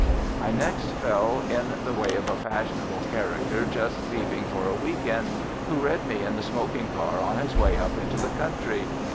I next fell in the way of a fashionable character just leaving for a week end, who read me in the smoking car on his way up into the country.